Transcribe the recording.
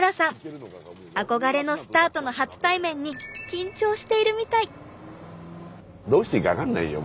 憧れのスターとの初対面に緊張しているみたい。